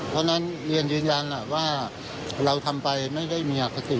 เพราะฉะนั้นเรียนยืนยันว่าเราทำไปไม่ได้มีอคติ